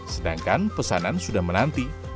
sedangkan pesanan sudah menanti